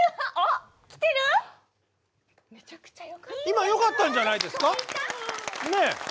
今よかったんじゃないですか？